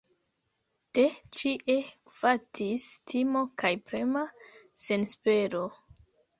De ĉie gvatis timo kaj prema senespero.